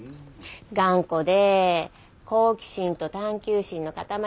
頑固で好奇心と探究心の塊で。